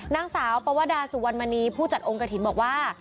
นางสาวปวดาสุวรรณมณีผู้จัดองค์กระถิ่นบอกว่า